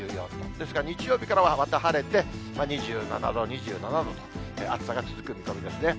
ですから日曜日からはまた晴れて２７度、２７度、暑さが続く見込みですね。